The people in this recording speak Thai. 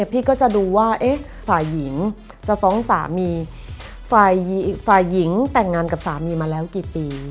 ผู้หญิงแต่งงานกับสามีมาแล้วกี่ปี